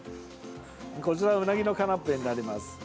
こちらはウナギのカナッペになります。